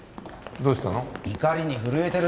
どうしたの？